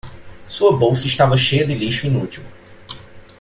Sua bolsa estava cheia de lixo inútil.